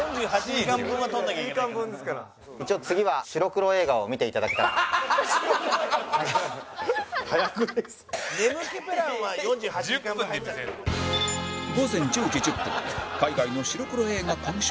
一応次は白黒映画を見て頂きたい。ハハハハハハ！午前１０時１０分海外の白黒映画鑑賞